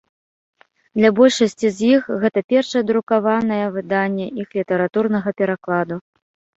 Для большасці з іх гэта першае друкаванае выданне іх літаратурнага перакладу.